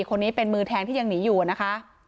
คนนี้เป็นมือแทงที่ยังหนีอยู่นะคะ